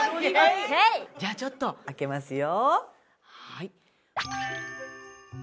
じゃあちょっと開けますよ。